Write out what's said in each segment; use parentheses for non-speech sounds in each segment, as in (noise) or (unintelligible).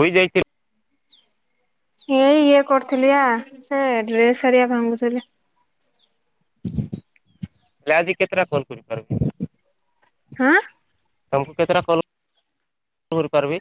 ହୋଇ ଯାଇ ଏଇ- ଇଏ କରୁଥିଲି ଆ ସେ ଡ୍ରେସ ହେରିକା ଭାଙ୍ଗୁଥିଲି। ହେଲେ ଆଜି କେତେଟା କଲ କରିପାର ହଁ। ତମକୁ କେତେଟା କଲ କରିପାରିବି?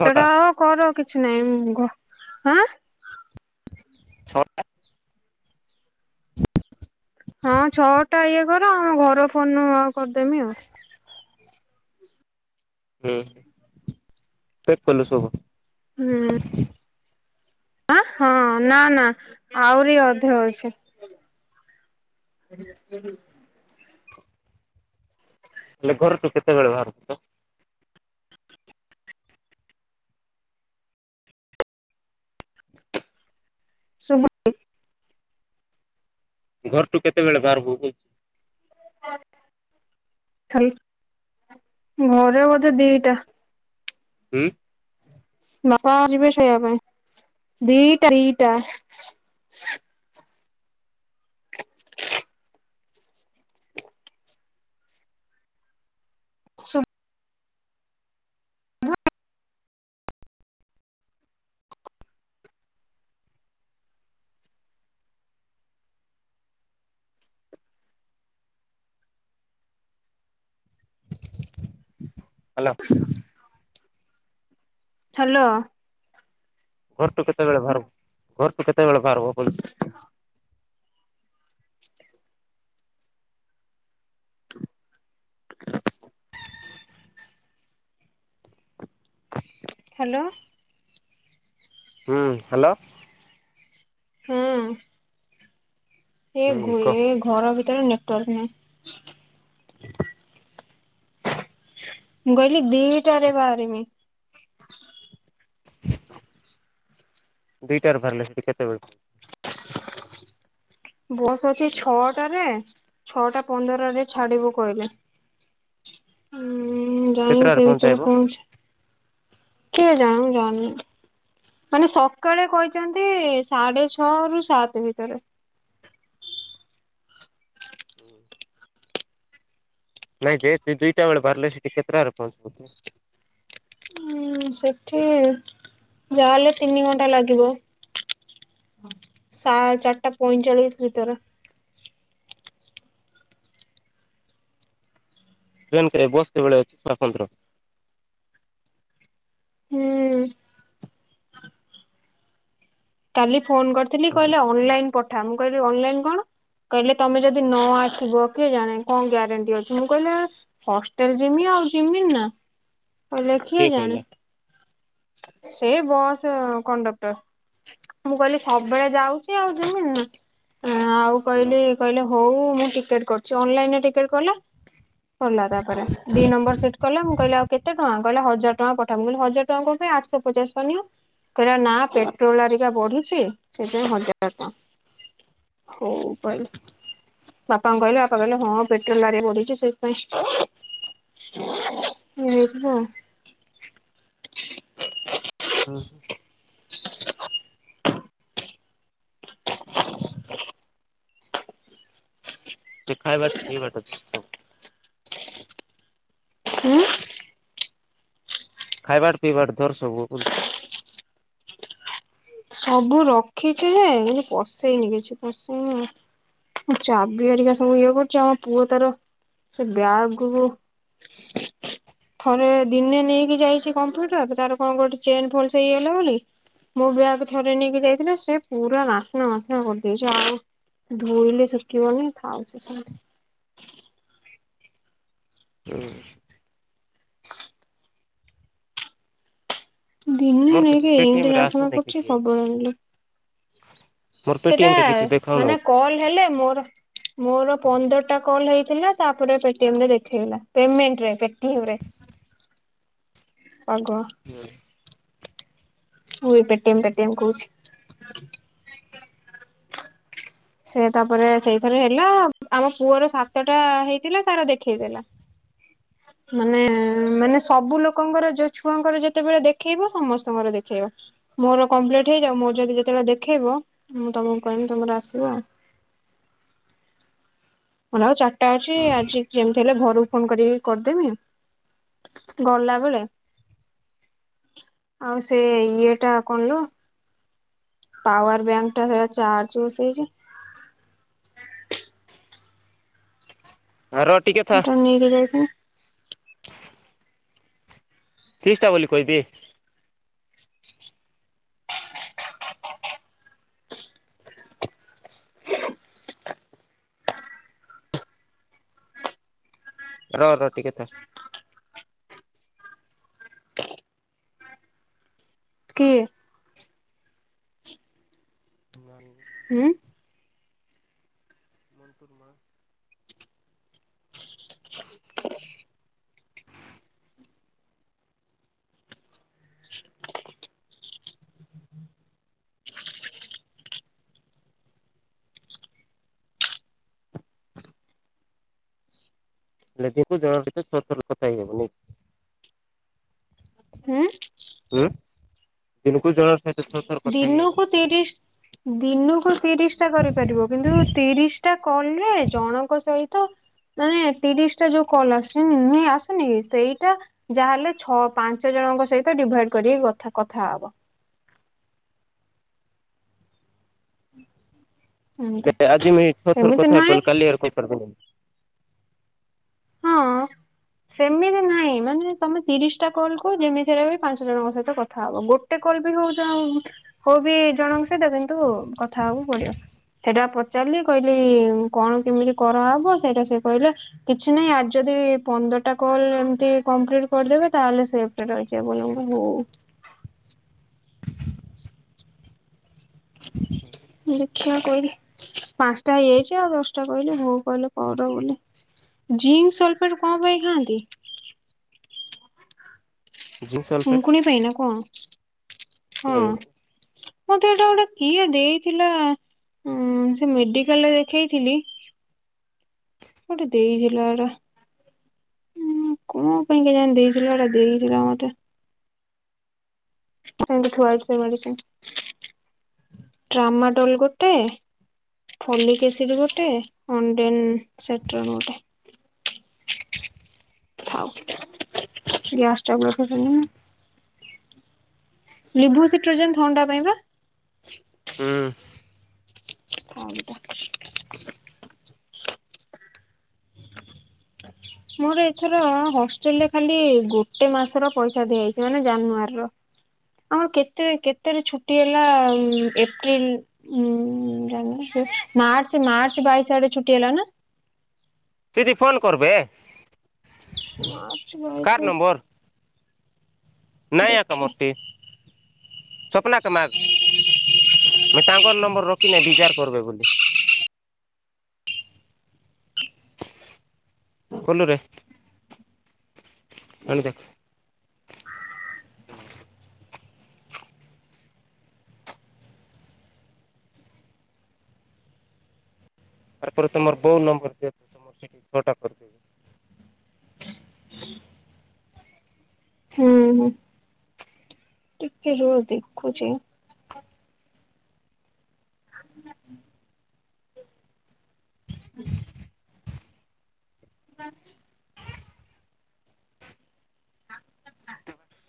ଛଅଟା ଆ କର କିଛି ନାଇଁଁ ଛଅ ହଁ ଛଅଟା ଇଏ କର ଆମ ଘର ଫୋନ କରିଦେମି ଆଉ ହଁ ତ କଲୁ ସବୁ ହୁଁ। ହଁ ନା ନା ଆରି ଅଧେ ଅଛ (unintelligible) ଆଲେ ଘରଟୁ କେତଳ ବାହାର ଶୁଭୁନି। ଘରଠୁ କେତେବେଳେ ବାହାରକୁ ଯଛି ଖ ଘରେ ବୋଧେ ଦିଟା ହଁ। ବାପା ଯିବେ ସେଇଆ ପାଇଁ ରଇଟା, ଟା (inaudible) ସୁ ହ୍ୟାଲୋ। ହଲୋ। ଘରଠୁ କେତେବେଳେ ବାହାରିବ ଘରଠୁ କେତେବେଳେ ବାହାରିବ ବଲଛି? ହ୍ୟାଲୋ। ହଁ ହ୍ୟାଲୋ। ହଁ। ହୁଁ କହ ଏ ଘର ଭିତରେ ନେଟୱାର୍କ ନାହିଁ। ମୁଁ କହିଲି ଦିଟା ରେ ବାହାରମି। ଦିଟାରେ ବାହାରିଲେ ସେଠି କେତେବେଳେ ପ ବସ୍ ଅଛି ଛଅଟାରେ ଛଅଟା ପନ୍ଦରରେ ଛାଡିବୁ କହିଲେ ହଁ ଯାଇି କେତେଟାରେ ସେ ଭିତରେ ପହଞ୍ଚାଇବ ପହଞ୍ଚ କେ ଜାଣି ମୁଁ ଯାଣିନେ ମାନେ ସକାଳେ କହିଛନ୍ତି, ସାଢେ ଛଅ ରୁ ସାତ ଭିତରେ ହୁଁ। ନାଇଁ ଯେ ତୁ ଦିଇଟା ବେଳେ ବାହାରିଲେ ସେଠିକି କେତେଟା ବ ପହଞ୍ଚିବୁଛ? ହଁ ସେଠି ଯାଲେ ତିନି ଘଣ୍ଟା ଲାଗିବ ସା ଚାରିଟା ପଇଁଚାଳିଶ ଭିତରେ। ଟ୍ରେନ କେ ବସ୍ କେବେଳେ ଅଛି, (unintelligible) ହୁଁ। କାଲି ଫୋନ କରିଥିଲି, କହିଲେ ଅନଲାଇନ ପଠା ମୁଁ କହିଲି ଅନଲାଇନ କଣ କହିଲେ ତମେ ଯଦି ନ ଆସିବ କିଏ, ଜାଣେ କଣ ଗ୍ୟାରେଣ୍ଟି ଅଛି ମୁଁ କହିଲି ହଷ୍ଟେଲ ଯିମି ଆଉ ଆଉ ଚିମ ନା। କଲେ କିଏ ଜାଣେ, ସେଇ ବସ୍ କଣ୍ଡକ୍ଟର। ମୁଁ କହିଲି ସବୁବେଳେ ଯାଉଛି ଆଉ ଜମିିନି ଆଉ କହିଲି ହୁଁ। କହିଲେ ହଉ ମୁଁ ଟିକେଟ କରଛି ଅନଲାଇନ ତାପରେ ଦି ନମ୍ବର କହିଲ ମୁଁ କହିଲି ଆ କେତେ ଟଙ୍କା କହିଲ, ହଜ ଟଙ୍କା ପଠା ମୁ କିଲ ହଜ ଟଙ୍କାଙ୍କ ପାଇଁ ଆଠଶହ ପଚାଶ ପନିଅ କହିଲା ନା ପେଟ୍ରୋଲ ଆରିକା ବଢୁଛି ସେଥିାଇଁ ମଜ ହଉ ବାପାଙ୍କୁ କହିଲେ ବାପା କହିଲେ, ହଁ ପେଟ୍ରୋଲ ଡାରଆ ବଢିଛି ସେଇଥିପାଇଁ। (unintelligible) ହଁ ହୋ। (inaudible) (inaudible) ସେ ଖାଇ ବାଟ ପିଏ ବାଟ ତୋରଛ। ହଁ। ଖାଇବାଟ ପିଇବାଟ ଧର ସବୁ ବୁଲଛ ସବୁ ରଖିଛି ଯେ ଏଇ ପଶେଇନି କିଛି ପଶେଇନି ଚାବି ହେରିକା ସବୁ ଇଏ କରୁଛି ଆମ ପୁଅ ତାର ସେ ବ୍ୟାଗକୁ ଥରେ ଦିନେ ନେଇକି ଯାଇଛି, କମ୍ପ୍ୟୁଟର ତାର କଣ ଗୋଟେ ଚେନ୍ ଫଲସ ହେଇଗଲା ବୋଲି ମୋ ବ୍ୟାଗ ଥରେ ନେଇକି ଯାଇଥିଲା, ସେ ପୁରା ନାସ୍ନା ବାସ୍ନା କରିଦେଇଛି ଆଉ। ଧୋଇଲେ ସୁକିବନି ଥାଉ ସେ ସେମିତି। ଦିନେ ମୋର ତ ସେ ନେଇକି ପେଟିଏମ ଏମିତି ରେ ରାଶନା ଆସୁନି କରୁଛି କିଛି ସବୁବେଳେ ଆନିଲେ ମୋର ସେଟା ପେଟିଏମ ରେ କିଛି ମାନେ ଦେଖାଉନାହିଁ। କଲ ହେଲେ ମୋର ମୋର ପନ୍ଦରଟା କଲ ହେଇ ଥିଲା ତାପରେ ପେଟିଏମ୍ ରେ ଦେଖେଇଲା ପେମେଣ୍ଟ ରେ ପେଟିଏମ ରେ ଆଗ ମୁଁ ବି ପେଟିଏମ୍ ପେଟିଏମ୍ କହୁଛି। ସେ ତାପରେ ସେଇଥର ହେଲା ଆମ ପୁଅର ସାତଟା ହେଇଥିଲା ତାର ଦେଖେଇଦେଲା। (unintelligible) ମାନେ ମାନେ ସବୁ ଲୋକଙ୍କର ଯୋଉ ଛୁଆଙ୍କର ଯେତେବେଳେ ଦେଖେଇବ ସମସ୍ତଙ୍କର ଦେଖେଇବ। ମୋର କମ୍ପ୍ଲିଟ୍ ହେଇଯାଉ ମୋ ଯଦି ଯେତେବେଳେ ଦେଖେଇବ ମୁଁ ତମକୁ କହିବି ତମର ଆସି ବ ମୋର ଆଉ ଚାରିଟା ଅଛି ହୁଁ ଆଜି ଯେମତି ହେଲେ ଫୋନ କରିକି କରିଦେମି ଗଲା ବେଳେ ଆଉ ସେ ଇଏ ଟା କଲୋ ପାୱାର ବ୍ୟାଙ୍କ ଟାରେ ଚାର୍ଜ ବଷେଇଛି ର ଟିକେ ଥା ଏଟା ନେଇକି ଯାଇଥିଲି କିଷ୍ଟା ବୋଲି କହିବି (inaudible) ର ର ଟିକେ ଥା କିଏ? ହୁଁ (inaudible) (inaudible) ହେଲେଦିଙ୍କୁ ଜଣ ତ ଛଅ ଥର କଥା ହେଇ ହବନି ହୁଁ। ହୁଁ ଦିନକୁ ଜଣକ ସହିତ ତ ଦିନକୁ ତିରିସି ଦିନକୁ ତିରିସି ଟା କରିପାରିବ କିନ୍ତୁ ତିରିଶ ଟା କଲେ ଜଣଙ୍କ ସହିତ ତ ମାନେ ତିରିଶ ଟା ଯୋଉ କଲ ଆସନି ଆସନି କି ସେଇଟା ଯାହାହେଲେ ଛଅ ପାଞ୍ଚ ଜଣ ଙ୍କ ସହିତ ଡିଭାଇଡ କରିକି କଥା କଥା ହବ (inaudible) ନାଁ ଆଜି ମୁଇଁ ଛଅ ଥର ସେମିତି କଥା ନୁହେଁ ବଲି କାଲି ଆଉ କଇପାରିବିନାଇ ହଁ ସେମିତି ନାହିଁ ମାନେ ତମେ ତିରିସି ଟା କଲ କୁ ଯେମିତିରେ ବି ପାଞ୍ଚ ଜଣଙ୍କ ସହିତ କଥା ହବ ଗୋଟେ କଲ୍ ହଉ ବି ଜଣ ହଉ ବି ଜଣଙ୍କ ସହିତ କିନ୍ତୁ କଥା ହେବାକୁ ପଡିବ ସେଟା ପଚା କାଲି କହିଲି କଣ କେମିତି କରାହବ ସେଇଟା ସେ କହିଲେ କେ କିଛି ନାହିଁ ଆର୍ ଯଦି ପନ୍ଦରଟା କଲ୍ ଏମିତି କମ୍ପ୍ଲିଟ୍ କରିଦେବେ ତାହେଲେ ସେଫରେ ରହିଯିବେ ବୋଲି ମତେ ଓ (inaudible) (inaudible) ଦେଖିଆ କହିଲି ପାଞ୍ଚଟା ହେଇଯାଇଛି ଆଉ ଦଶଟା କହିଲି ହଉ କହିଲେ କର ବୋଲି ଜିଙ୍କ ସଲଫେଟ କଣ ପାଇଁ ଖାଆନ୍ତି? ଜିଙ୍କ ସଲଫେଟ ଫୁଙ୍କୁଣି ପାଇଁନା କଣ? ହଁ ହୁଁ ମୋ ତେ ଏଇଟା ଗୋଟେ କିଏ ଦେଇଥିଲା। ହୁ ସେ ମେଡିକାଲରେ ଦେଖେଇଥିଲି କିଏ ଗୋଟେ ଦେଇଥିଲା ଏରା ହଁ କଣ ପାଇଁ କେୟାଣି ଦେଇଥିଲା ଏଟା ଦେଇଥିଲା ମତେ (unintelligible) ଥୁଆ ହେଇଚି ଗୋଟେ (unintelligible) ଗୋଟେ ଫଲକି ଏସିଡ଼ ଗୋଟେ ଅଣ୍ଡେନ ସେଟ ଗୋଟେ ଗ୍ୟାସ ଟାବଲେଟ ହେଇନି। ଲିବୁ ସେଟ୍ରିଜିନ ଥଣ୍ଡା ପାଇଁ ବା? ହୁଁ। ଥଣ୍ଡା। ମୋର ଏଥର ହଷ୍ଟେଲରେ ଖାଲି ଗୋଟେ ମାସର ପଇସା ଦିଆଯାଇଚି। ମାନେ ଜାନୁଆରୀ ର। ଆଉ କେତେ କେତେ ରେ ଛୁଟି ହେଲା ଏପ୍ରିଲ ଉଁ ଯାନିନି। ମାର୍ଚ୍ଚ ମାର୍ଚ୍ଚ ବାଇଶ ଆଡ଼େ ଛୁଟି ହେଲା ନା? ଯଦି ଫୋନ କରବେ। ମାର୍ଚ୍ଚ କାର ବାଇଶି। ନମ୍ବର ନାଇଁ ଆ କ ମୋଟି ସ୍ୱପ୍ନା କ ମାଗ୍। ମୁଁ ତାଙ୍କର ନମ୍ବର ରଖିନେଇଁ ବିଜାର କରିବେ ବୋଲି (inaudible) କଲୁରେ ଆଣି ଦେଖ ହୁଁ। ତା ପରେ ତମର ବୋଉ ନମ୍ବର ଦିଅ ତ ତମର ସେଠି ଛଅଟା କରିଦେବେ। ହୁଁ ହ ଟିକ ରହ ଦେଖୁଛି। (inaudible) ହୁଁ। ବସ (unintelligible)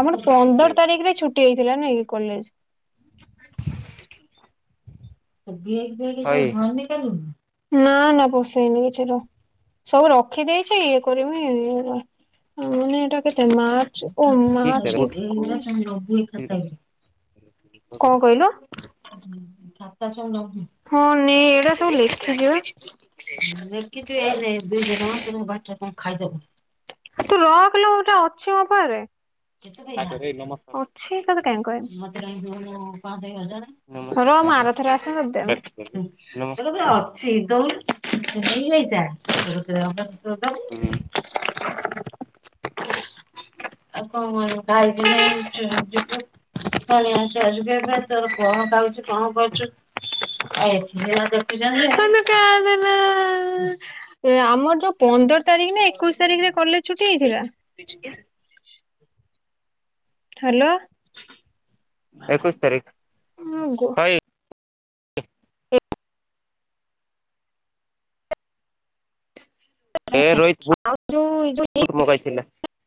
ଆମର ପନ୍ଦର ତାରିଖରେ ଛୁଟି ହେଇଥିଲା ନାଇ କଲେଜ (unintelligible) ନାଁ ନାଁ (unintelligible) ସବୁ ରଖି ଦେଇଛି ଇଏ କରିବି ମାନ ଏଟା କେତେ ମାର୍ଚ୍ଚ ଓ ମାର୍ଚ୍ଚ ଏକୋଇଶି କଣ କହିଲୁ? ହଁ ନେ ଏଇଟା ସବୁ ଲେଖିଛିିବା। ଲେଖିଚୁ ଏରେ ଦୁଇ ଜଣଙ୍କ ବାଠ ପାଇଁ। ତୁ ରଖ ଲୋ ଏଟା ଅଛି ମୋ ପାରେ। ଅଛି ତତେ କାଇଁ କହିମି। ର ନମସ୍କାର ମୁଁ ନାଇଁରେ ଆର ଥର ଆସେ ତତେ ଦେମି। ନମସ୍କାର (unintelligible) ହ ଆଉ କଣ ଗାଈ ଦିନେ ଛେଳି ଦିନେ (unintelligible) (unintelligible) ତୋର କଣ ପାଉଚୁ କଣ କରୁଛୁ। (unintelligible) ଆମର ଯୋଉଁ ପନ୍ଦର ତାରିଖ ନା ଏକୋଇଶି ତାରିଖରେ କଲେଜ ଛୁଟି ହେଇଥିଲା। ହ୍ୟାଲୋ। ମାମା ଏକୋଇଶ ତାରିଖ। ହଇ (inaudible) ଏ ରୋହିତ ଆଉ ଯଉଁ ବୁଟ ମଗାଇଥିଲା। (unintelligible)